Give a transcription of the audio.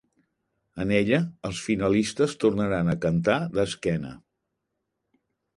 En ella, els finalistes tornaran a cantar d'esquena.